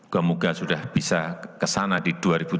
kemungkinan sudah bisa ke sana di dua ribu tiga puluh